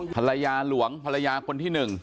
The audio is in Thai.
ภรรยาหลวงภรรยาคนที่๑